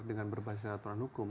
dengan berbasis aturan hukum